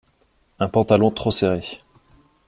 Un pantalon trop serré.